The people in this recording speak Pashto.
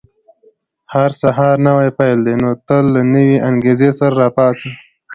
• هر سهار نوی پیل دی، نو تل له نوې انګېزې سره راپاڅه.